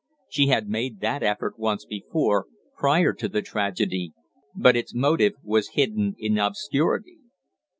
She had made that effort once before, prior to the tragedy, but its motive was hidden in obscurity.